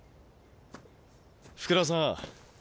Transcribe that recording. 福田さん。